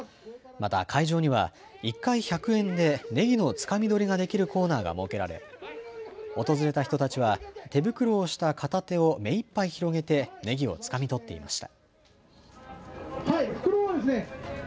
また、会場には１回１００円でねぎのつかみ取りができるコーナーが設けられ訪れた人たちは手袋をした片手を目いっぱい広げてねぎをつかみ取っていました。